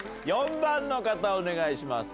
４番の方お願いします。